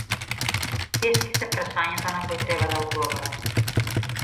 Тешки се прашањата на кои треба да одговорам.